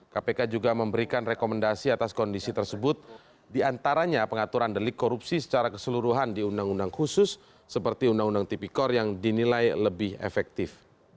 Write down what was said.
kpk juga memberikan rekomendasi atas kondisi tersebut diantaranya pengaturan delik korupsi secara keseluruhan di undang undang khusus seperti undang undang tipikor yang dinilai lebih efektif